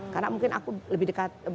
karena mungkin aku lebih dekat